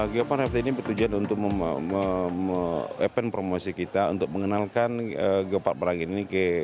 gawapak rafting ini bertujuan untuk mempromosi kita untuk mengenalkan gawapak merangin ini